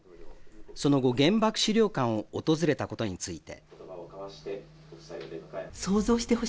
その後、原爆資料館を訪れたことについて。